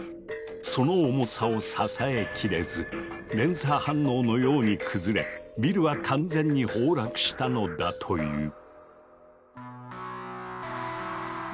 その重さを支えきれず連鎖反応のように崩れビルは完全に崩落したのだという。